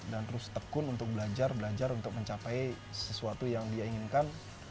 dan terus tekun untuk belajar belajar untuk mencapai sesuatu yang dia inginkan